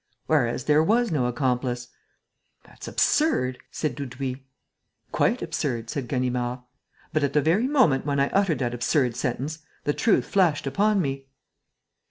Whereas there was no accomplice!" "That's absurd," said Dudouis. "Quite absurd," said Ganimard. "But, at the very moment when I uttered that absurd sentence, the truth flashed upon me."